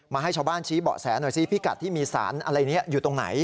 ให้ชาวบ้านชี้เบาะแสหน่อยซิพิกัดที่มีสารอะไรนี้อยู่ตรงไหน